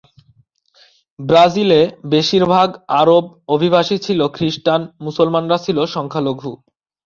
ব্রাজিলে বেশিরভাগ আরব অভিবাসী ছিল খ্রিস্টান, মুসলমানরা ছিল সংখ্যালঘু।